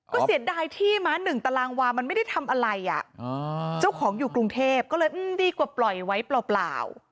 ก็เสียดายที่ม้าหนึ่งตารางวามันไม่ได้ทำอะไรอ่ะเจ้าของอยู่กรุงเทพก็เลยดีกว่าปล่อยไว้เปล่า